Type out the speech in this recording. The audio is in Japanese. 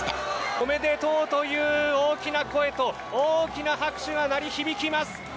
おめでとうという大きな声と大きな拍手が響き渡ります。